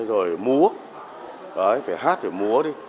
rồi múa phải hát phải múa đi